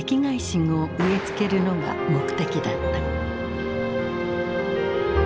心を植え付けるのが目的だった。